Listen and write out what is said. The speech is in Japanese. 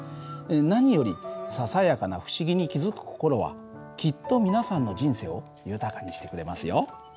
何よりささやかな不思議に気付く心はきっと皆さんの人生を豊かにしてくれますよ。